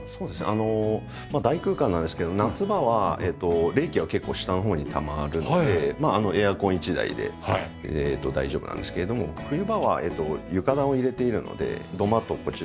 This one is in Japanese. あの大空間なんですけど夏場は冷気は結構下の方にたまるのでまあエアコン一台で大丈夫なんですけれども冬場は床暖を入れているので土間とこちらに。